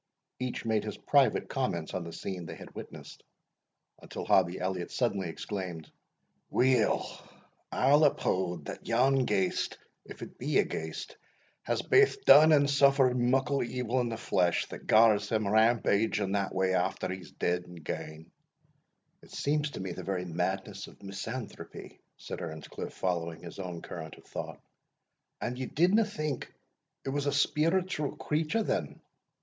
Each made his private comments on the scene they had witnessed, until Hobbie Elliot suddenly exclaimed, "Weel, I'll uphaud that yon ghaist, if it be a ghaist, has baith done and suffered muckle evil in the flesh, that gars him rampauge in that way after he is dead and gane." "It seems to me the very madness of misanthropy," said Earnscliff; following his own current of thought. "And ye didna think it was a spiritual creature, then?"